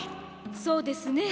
そうですね。